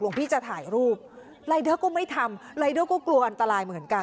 พี่จะถ่ายรูปรายเดอร์ก็ไม่ทำรายเดอร์ก็กลัวอันตรายเหมือนกัน